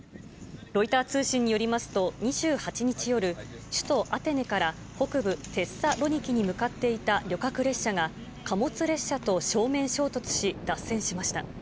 ロイター通信によりますと、２８日夜、首都アテネから北部テッサロニキに向かっていた旅客列車が、貨物列車と正面衝突し、脱線しました。